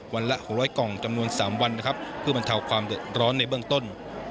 วันละหกร้อยกล่องจำนวนสามวันนะครับเพื่อบรรเทาความเหลือร้อนในเบื้องต้น